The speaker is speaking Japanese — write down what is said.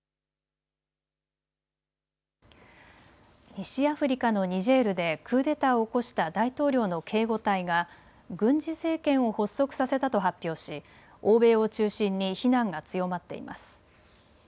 西アフリカのニジェールでクーデターを起こした大統領の警護隊が軍事政権を発足させたと発表し欧米を中心に非難が強まっています。